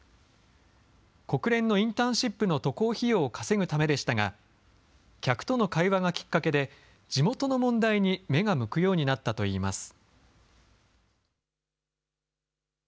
国連のインターンシップの渡航費用を稼ぐためでしたが、客との会話がきっかけで地元の問題に目が向くようになったといいます。